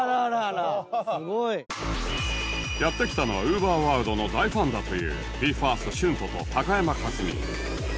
やって来たのは ＵＶＥＲｗｏｒｌｄ の大ファンだという ＢＥ：ＦＩＲＳＴＳＨＵＮＴＯ と高山一実